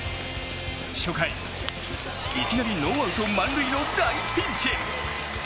初回、いきなりノーアウト満塁の大ピンチ。